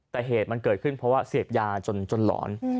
แต่เหตุมันเกิดขึ้นเพราะว่าเสพยาจนหลอน